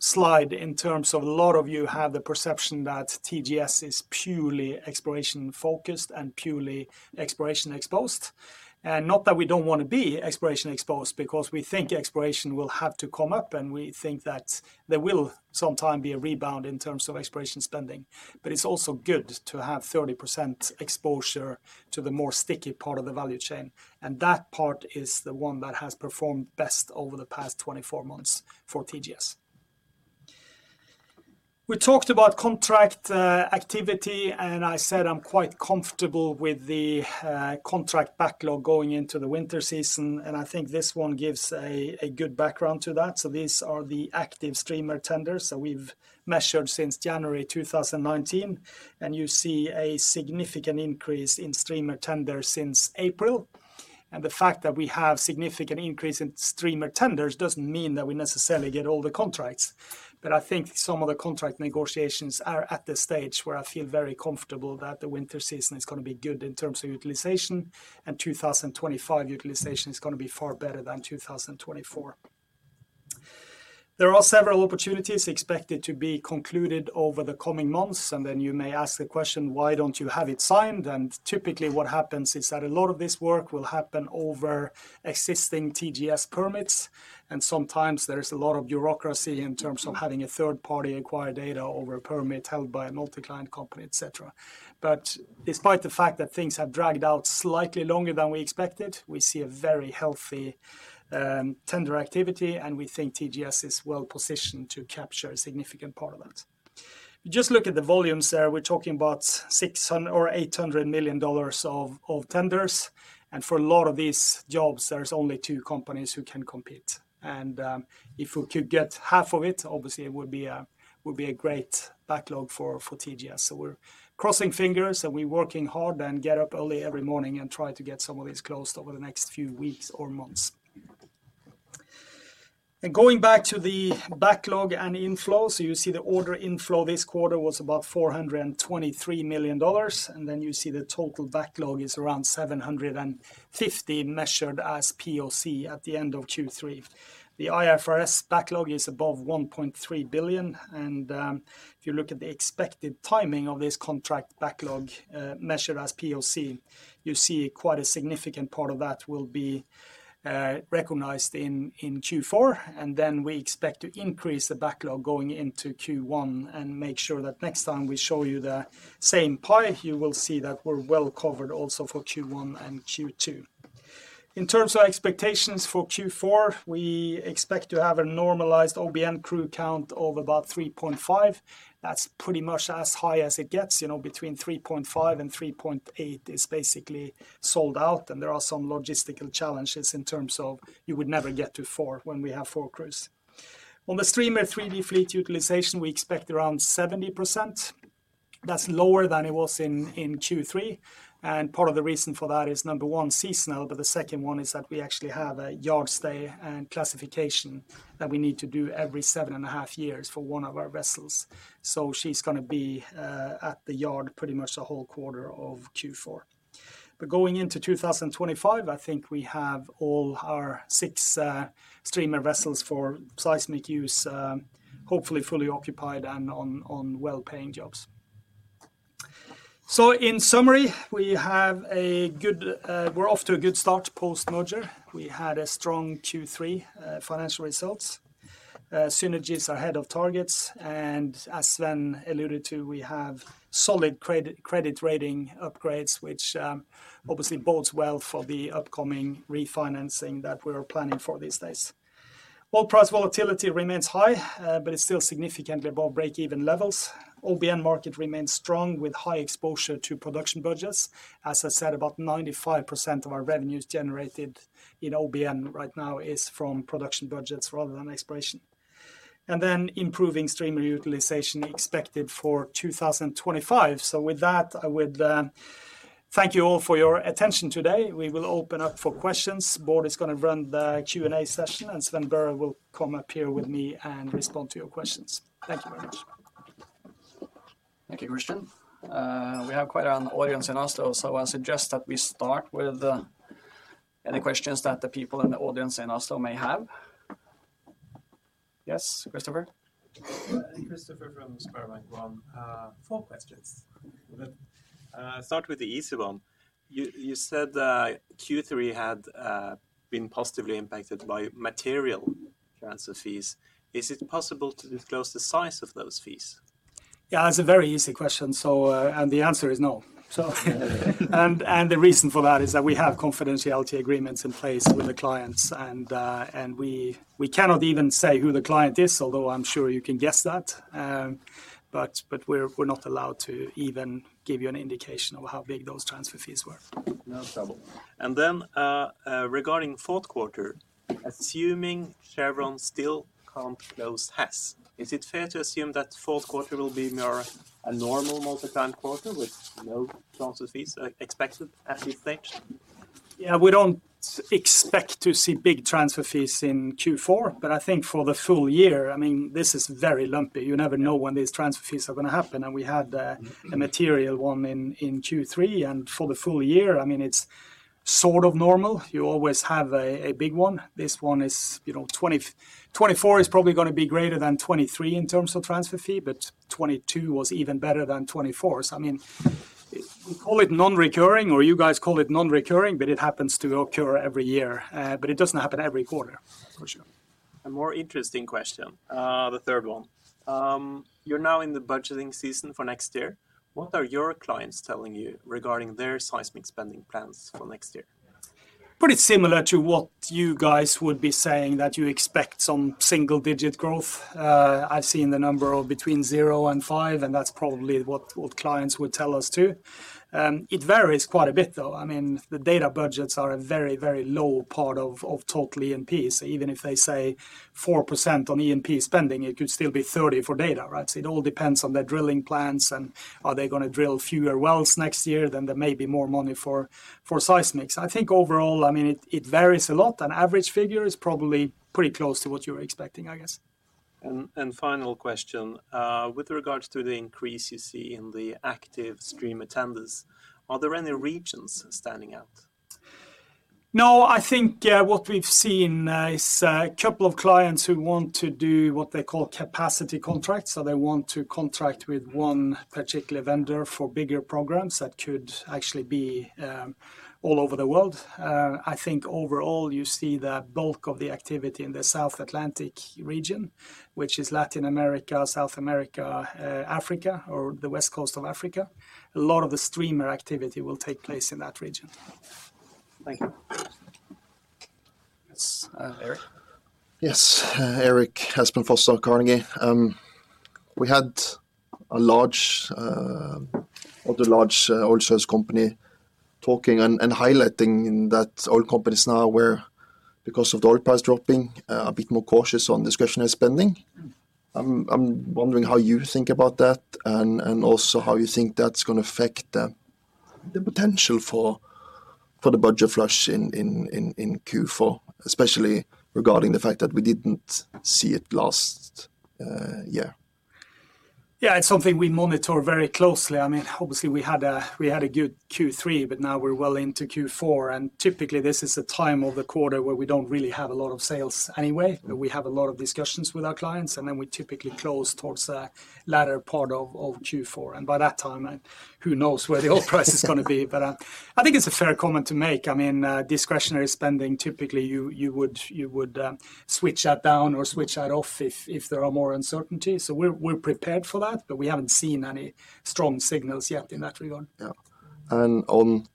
slide in terms of a lot of you have the perception that TGS is purely exploration-focused and purely exploration-exposed. And not that we don't want to be exploration-exposed because we think exploration will have to come up, and we think that there will sometime be a rebound in terms of exploration spending. But it's also good to have 30% exposure to the more sticky part of the value chain, and that part is the one that has performed best over the past twenty-four months for TGS. We talked about contract activity, and I said I'm quite comfortable with the contract backlog going into the winter season, and I think this one gives a good background to that. So these are the active streamer tenders that we've measured since January 2019, and you see a significant increase in streamer tenders since April. And the fact that we have significant increase in streamer tenders doesn't mean that we necessarily get all the contracts. But I think some of the contract negotiations are at the stage where I feel very comfortable that the winter season is gonna be good in terms of utilization, and 2025 utilization is gonna be far better than 2024. There are several opportunities expected to be concluded over the coming months, and then you may ask the question, "Why don't you have it signed?" And typically, what happens is that a lot of this work will happen over existing TGS permits, and sometimes there is a lot of bureaucracy in terms of having a third party acquire data over a permit held by a multi-client company, et cetera. But despite the fact that things have dragged out slightly longer than we expected, we see a very healthy tender activity, and we think TGS is well positioned to capture a significant part of that. Just look at the volumes there. We're talking about $600 million-$800 million of tenders, and for a lot of these jobs, there's only two companies who can compete. And if we could get half of it, obviously, it would be a great backlog for TGS. So we're crossing fingers, and we're working hard and get up early every morning and try to get some of these closed over the next few weeks or months. Going back to the backlog and inflow, so you see the order inflow this quarter was about $423 million, and then you see the total backlog is around $750 million, measured as POC at the end of Q3. The IFRS backlog is above $1.3 billion, and if you look at the expected timing of this contract backlog, measured as POC, you see quite a significant part of that will be recognized in Q4, and then we expect to increase the backlog going into Q1, and make sure that next time we show you the same pie, you will see that we're well covered also for Q1 and Q2. In terms of expectations for Q4, we expect to have a normalized OBN crew count of about 3.5. That's pretty much as high as it gets. You know, between 3.5 and 3.8 is basically sold out, and there are some logistical challenges in terms of you would never get to four when we have four crews. On the streamer 3D fleet utilization, we expect around 70%. That's lower than it was in Q3, and part of the reason for that is, number one, seasonal, but the second one is that we actually have a yard stay and classification that we need to do every seven and a half years for one of our vessels. So she's gonna be at the yard pretty much the whole quarter of Q4. But going into two thousand and twenty-five, I think we have all our six streamer vessels for seismic use, hopefully fully occupied and on well-paying jobs. So in summary, we have a good... We're off to a good start post-merger. We had a strong Q3 financial results. Synergies are ahead of targets, and as Sven alluded to, we have solid credit rating upgrades, which obviously bodes well for the upcoming refinancing that we are planning for these days. Oil price volatility remains high, but it's still significantly above break-even levels. OBN market remains strong, with high exposure to production budgets. As I said, about 95% of our revenues generated in OBN right now is from production budgets rather than exploration. And then improving streamer utilization expected for 2025. So with that, I would thank you all for your attention today. We will open up for questions. Bård is gonna run the Q&A session, and Sven Børre Larsen will come up here with me and respond to your questions. Thank you very much. Thank you, Kristian. We have quite an audience in Oslo, so I suggest that we start with any questions that the people in the audience in Oslo may have. Yes, Christopher? Christopher from SpareBank 1. Four questions. Start with the easy one. You said that Q3 had been positively impacted by material transfer fees. Is it possible to disclose the size of those fees? Yeah, it's a very easy question, so, and the answer is no. So. And the reason for that is that we have confidentiality agreements in place with the clients, and we cannot even say who the client is, although I'm sure you can guess that. But we're not allowed to even give you an indication of how big those transfer fees were. No trouble. And then, regarding Q4, assuming Chevron still can't close Hess, is it fair to assume that Q4 will be more a normal multi-client quarter with no transfer fees expected, as you think? Yeah, we don't expect to see big transfer fees in Q4, but I think for the full year, I mean, this is very lumpy. You never know when these transfer fees are gonna happen, and we had a- Mm-hmm... a material one in Q3. And for the full year, I mean, it's sort of normal. You always have a big one. This one is, you know, 2024 is probably gonna be greater than 2023 in terms of transfer fee, but 2022 was even better than 2024. So I mean, we call it non-recurring, or you guys call it non-recurring, but it happens to occur every year. But it doesn't happen every quarter, for sure. A more interesting question, the third one. You're now in the budgeting season for next year. What are your clients telling you regarding their seismic spending plans for next year? Pretty similar to what you guys would be saying, that you expect some single-digit growth. I've seen the number of between zero and five, and that's probably what clients would tell us, too. It varies quite a bit, though. I mean, the data budgets are a very, very low part of total E&Ps. Even if they say 4% on E&P spending, it could still be 30% for data, right? So I think overall, I mean, it varies a lot. An average figure is probably pretty close to what you're expecting, I guess. Final question. With regards to the increase you see in the active streamer tenders, are there any regions standing out? No, I think what we've seen is a couple of clients who want to do what they call capacity contracts. So they want to contract with one particular vendor for bigger programs that could actually be all over the world. I think overall, you see the bulk of the activity in the South Atlantic region, which is Latin America, South America, Africa, or the west coast of Africa. A lot of the streamer activity will take place in that region. Thank you. Yes, Eric? Yes. Erik Aspen Foss from Carnegie. We had another large oil service company talking and highlighting that oil companies now are wary, because of the oil price dropping, a bit more cautious on discretionary spending. I'm wondering how you think about that, and also how you think that's gonna affect the potential for the budget flush in Q4, especially regarding the fact that we didn't see it last year? Yeah, it's something we monitor very closely. I mean, obviously, we had a good Q3, but now we're well into Q4, and typically this is the time of the quarter where we don't really have a lot of sales anyway. Mm. But we have a lot of discussions with our clients, and then we typically close towards the latter part of Q4. And by that time, who knows where the oil price is gonna be? But I think it's a fair comment to make. I mean, discretionary spending, typically, you would switch that down or switch that off if there are more uncertainties. So we're prepared for that, but we haven't seen any strong signals yet in that regard. Yeah. And on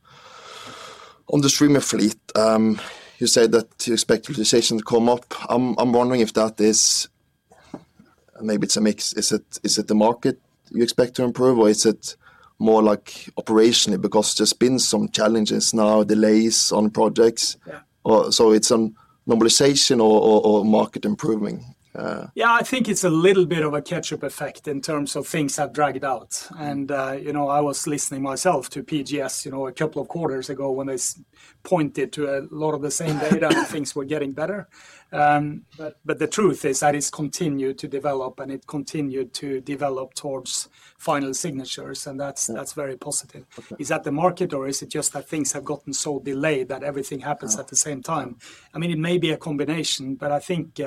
the streamer fleet, you said that you expect utilization to come up. I'm wondering if that is... Maybe it's a mix. Is it the market you expect to improve or is it more like operationally? Because there's been some challenges now, delays on projects. Yeah. Or so it's some normalization or market improving. Yeah, I think it's a little bit of a catch-up effect in terms of things have dragged out. Mm. You know, I was listening myself to PGS, you know, a couple of quarters ago when they pointed to a lot of the same data. Things were getting better. But the truth is that it's continued to develop, and it continued to develop towards final signatures, and that's- Yeah... that's very positive. Okay. Is that the market, or is it just that things have gotten so delayed that everything happens at the same time? Ah, yeah. I mean, it may be a combination, but I think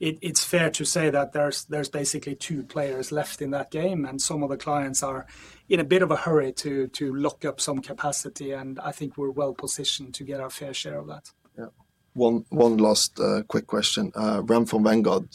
it's fair to say that there's basically two players left in that game, and some of the clients are in a bit of a hurry to lock up some capacity, and I think we're well positioned to get our fair share of that. Yeah. One last quick question. Ramform Vanguard,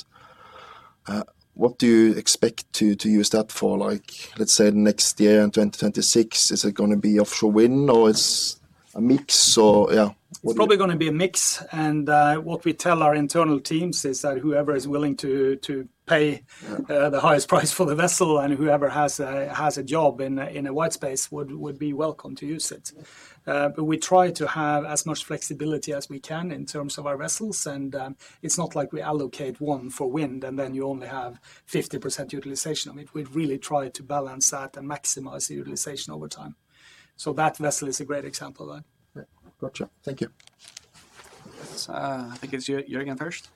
what do you expect to use that for, like, let's say next year in 2026? Is it gonna be offshore wind or it's a mix or... Yeah, what do you- It's probably gonna be a mix, and what we tell our internal teams is that whoever is willing to pay- Yeah... the highest price for the vessel and whoever has a job in a white space would be welcome to use it. Yeah. But we try to have as much flexibility as we can in terms of our vessels, and it's not like we allocate one for wind, and then you only have 50% utilization. I mean, we've really tried to balance that and maximize the utilization over time. So that vessel is a great example of that. Yeah. Gotcha. Thank you. I think it's Jørgen first.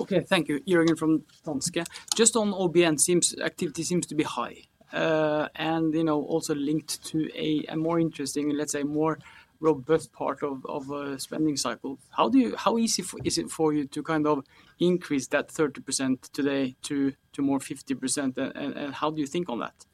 Okay, thank you. Jørgen from Danske. Just on OBN, activity seems to be high. You know, also linked to a more interesting, let's say, more robust part of a spending cycle. How easy is it for you to kind of increase that 30% today to more 50%, and how do you think on that?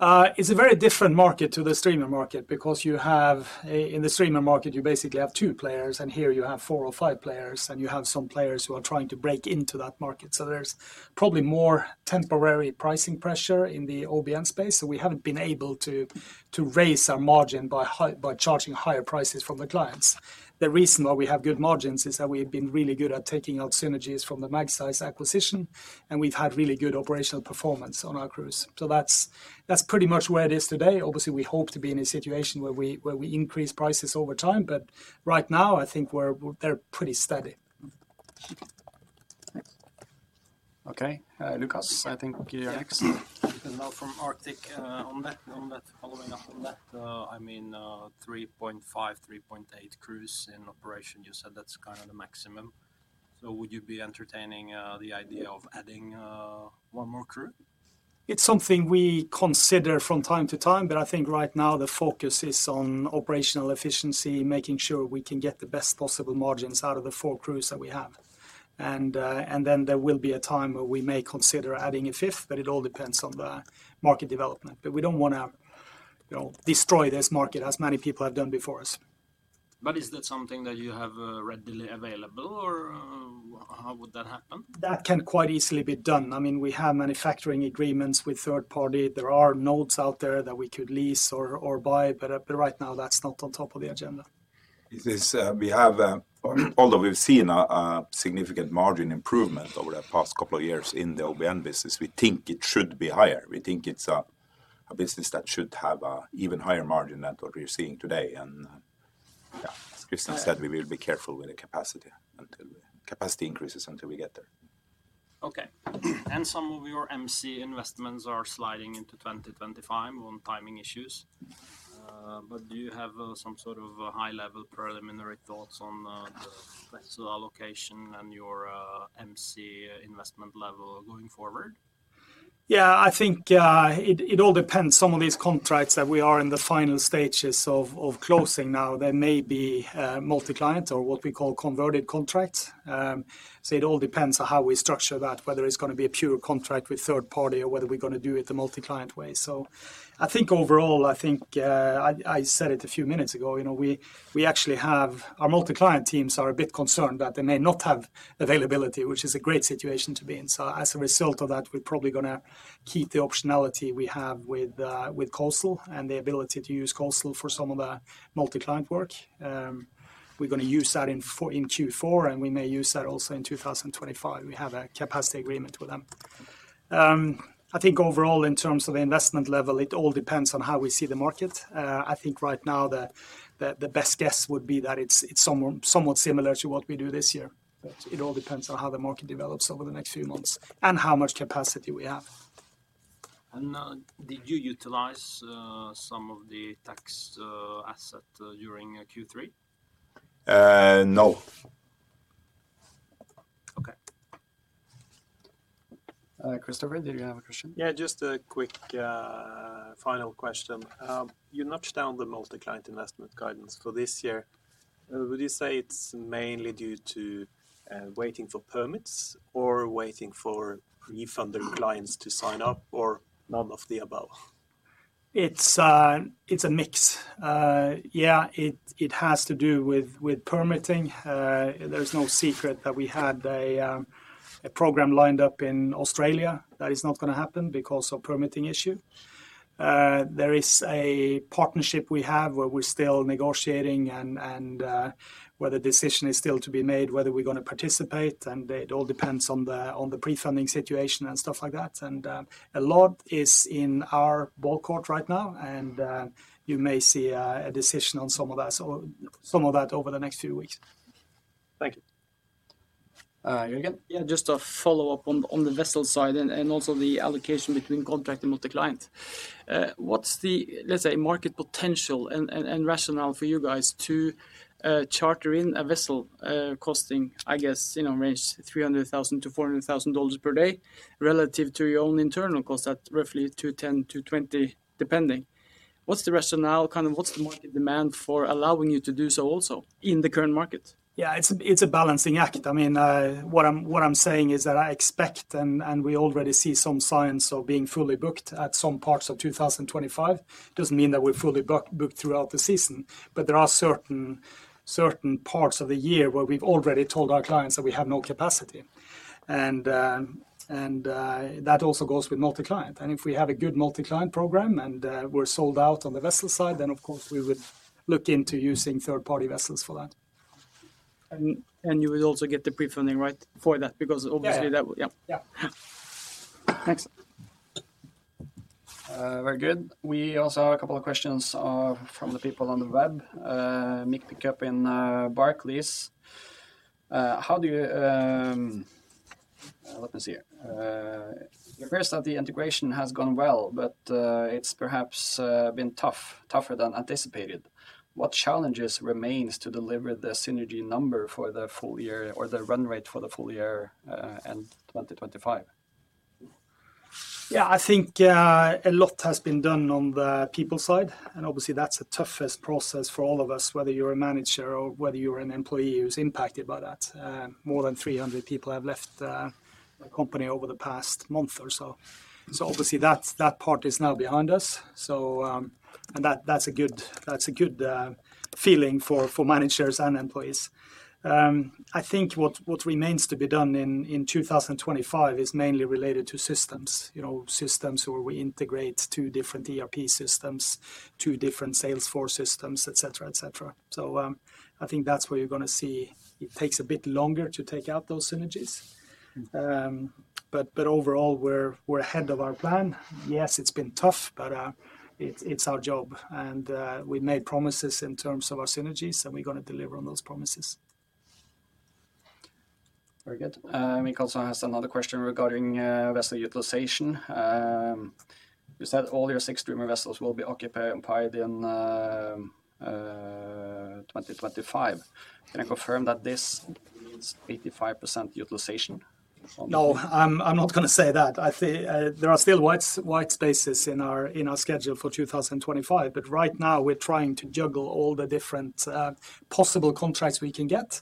It's a very different market to the streamer market because you have in the streamer market, you basically have two players, and here you have four or five players, and you have some players who are trying to break into that market. So there's probably more temporary pricing pressure in the OBN space, so we haven't been able to raise our margin by charging higher prices from the clients. The reason why we have good margins is that we've been really good at taking out synergies from the Magseis acquisition, and we've had really good operational performance on our crews. So that's pretty much where it is today. Obviously, we hope to be in a situation where we increase prices over time, but right now, I think we're, they're pretty steady. Mm. Thanks. Okay. Lukas, I think you're next. Lukas from Arctic. On that, following up on that, I mean, three point five, three point eight crews in operation, you said that's kind of the maximum. So would you be entertaining the idea of adding one more crew? It's something we consider from time to time, but I think right now the focus is on operational efficiency, making sure we can get the best possible margins out of the four crews that we have, and then there will be a time where we may consider adding a fifth, but it all depends on the market development, but we don't wanna, you know, destroy this market as many people have done before us. But is that something that you have readily available, or how would that happen? That can quite easily be done. I mean, we have manufacturing agreements with third party. There are nodes out there that we could lease or buy, but right now that's not on top of the agenda. Although we've seen a significant margin improvement over the past couple of years in the OBN business, we think it should be higher. We think it's a business that should have an even higher margin than what we're seeing today, and yeah, as Kristian said, we will be careful with the capacity until the capacity increases, until we get there. Okay, and some of your MC investments are sliding into twenty twenty-five on timing issues, but do you have some sort of a high-level preliminary thoughts on the vessel allocation and your MC investment level going forward? Yeah, I think it all depends. Some of these contracts that we are in the final stages of closing now, they may be multi-client or what we call converted contracts. So it all depends on how we structure that, whether it's gonna be a pure contract with third party or whether we're gonna do it the multi-client way. So I think overall, I think I said it a few minutes ago, you know, we actually have our multi-client teams are a bit concerned that they may not have availability, which is a great situation to be in. So as a result of that, we're probably gonna keep the optionality we have with COSL and the ability to use COSL for some of the multi-client work. We're gonna use that in four, in Q4, and we may use that also in twenty twenty-five. We have a capacity agreement with them. I think overall, in terms of the investment level, it all depends on how we see the market. I think right now the best guess would be that it's somewhat similar to what we do this year, but it all depends on how the market develops over the next few months and how much capacity we have. Did you utilize some of the tax asset during Q3? Uh, no. Okay. Christopher, did you have a question? Yeah, just a quick final question. You notched down the multi-client investment guidance for this year. Would you say it's mainly due to waiting for permits or waiting for pre-funded clients to sign up, or none of the above? It's a mix. Yeah, it has to do with permitting. There's no secret that we had a program lined up in Australia that is not gonna happen because of permitting issue. There is a partnership we have where we're still negotiating and where the decision is still to be made, whether we're gonna participate, and it all depends on the pre-funding situation and stuff like that. The ball is in our court right now, and you may see a decision on some of that over the next few weeks. Thank you. Uh, Jørgen? Yeah, just a follow-up on the vessel side and also the allocation between contract and multi-client. What's the, let's say, market potential and rationale for you guys to charter in a vessel costing, I guess, you know, $300,000-$400,000 per day, relative to your own internal cost at roughly $210,000-$220,000, depending. What's the rationale? Kind of, what's the market demand for allowing you to do so also in the current market? Yeah, it's a balancing act. I mean, what I'm saying is that I expect, and we already see some signs of being fully booked at some parts of 2025. Doesn't mean that we're fully booked throughout the season, but there are certain parts of the year where we've already told our clients that we have no capacity. And that also goes with multi-client. And if we have a good multi-client program and we're sold out on the vessel side, then of course, we would look into using third-party vessels for that. You would also get the pre-funding right for that, because obviously- Yeah... that would. Yeah. Yeah. Thanks. Very good. We also have a couple of questions from the people on the web. Mick Pickup in Barclays. How do you... Let me see. It appears that the integration has gone well, but it's perhaps been tougher than anticipated. What challenges remains to deliver the synergy number for the full year or the run rate for the full year in twenty twenty-five? Yeah, I think a lot has been done on the people side, and obviously that's the toughest process for all of us, whether you're a manager or whether you're an employee who's impacted by that. More than 300 people have left the company over the past month or so. So obviously, that part is now behind us. And that's a good feeling for managers and employees. I think what remains to be done in 2025 is mainly related to systems. You know, systems where we integrate two different ERP systems, two different Salesforce systems, et cetera. So, I think that's where you're gonna see it takes a bit longer to take out those synergies. But overall, we're ahead of our plan. Yes, it's been tough, but it's our job and we've made promises in terms of our synergies, and we're gonna deliver on those promises. Very good. Mick also has another question regarding vessel utilization. You said all your six streamer vessels will be occupied in 2025. Can I confirm that this means 85% utilization? No, I'm not gonna say that. I think there are still wide, wide spaces in our schedule for 2025, but right now we're trying to juggle all the different possible contracts we can get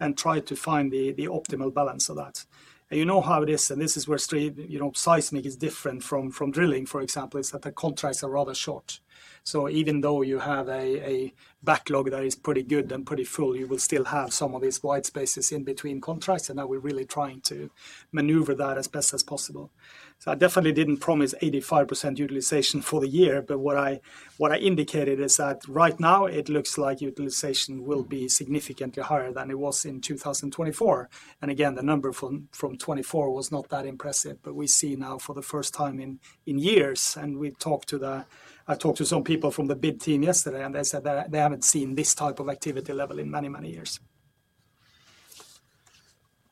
and try to find the optimal balance of that. And you know how it is, and this is where streamer seismic is different from drilling, for example, is that the contracts are rather short. So even though you have a backlog that is pretty good and pretty full, you will still have some of these wide spaces in between contracts, and now we're really trying to maneuver that as best as possible. So I definitely didn't promise 85% utilization for the year, but what I, what I indicated is that right now it looks like utilization will be significantly higher than it was in 2024. And again, the number from, from 2024 was not that impressive, but we see now for the first time in, in years, and we talked to the- I talked to some people from the bid team yesterday, and they said that they haven't seen this type of activity level in many, many years.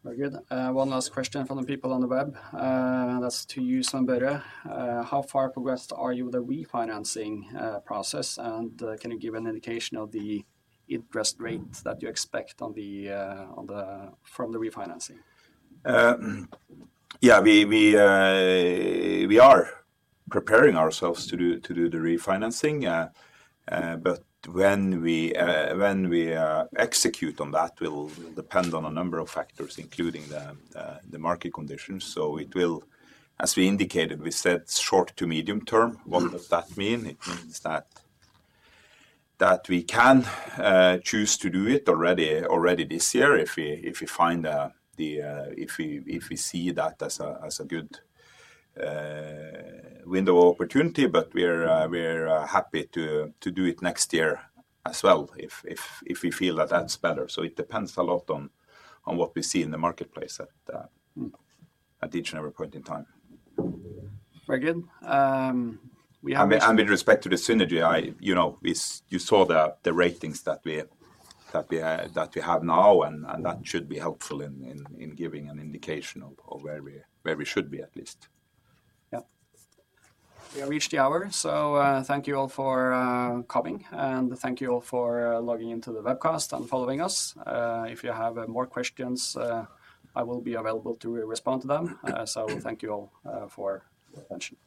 Very good. One last question from the people on the web. That's to you, Sven. How far progressed are you with the refinancing process? And can you give an indication of the interest rate that you expect on the refinancing? Yeah, we are preparing ourselves to do the refinancing. But when we execute on that will depend on a number of factors, including the market conditions. So it will. As we indicated, we said short to medium term. What does that mean? It means that we can choose to do it already this year if we find the if we see that as a good window of opportunity. But we're happy to do it next year as well if we feel that that's better. So it depends a lot on what we see in the marketplace at each and every point in time. Very good, we have- With respect to the synergy, I, you know, as you saw the ratings that we have now, and that should be helpful in giving an indication of where we should be, at least. Yeah. We have reached the hour, so thank you all for coming, and thank you all for logging into the webcast and following us. If you have more questions, I will be available to respond to them. So thank you all for your attention.